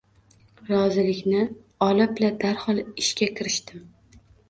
Rozilikni olib-la, darhol ishga kirishdim